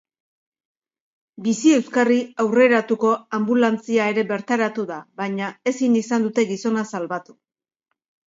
Bizi-euskarri aurreratuko anbulantzia ere bertaratu da, baina ezin izan dute gizona salbatu.